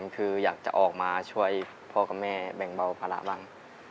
คืออยากจะออกมาช่วยพ่อกับแม่แบ่งเบาภาระบ้าง